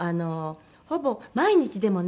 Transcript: ほぼ毎日でもね